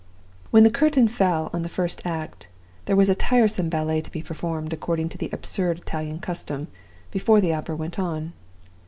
"When the curtain fell on the first act, there was a tiresome ballet to be performed (according to the absurd Italian custom), before the opera went on.